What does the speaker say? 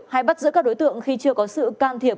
hay bắt giữ các đối tượng khi chưa có sự can thiệp